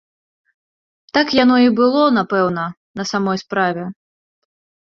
Так яно і было, напэўна, на самой справе.